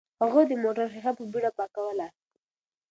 هغه د موټر ښیښه په بیړه پاکوله.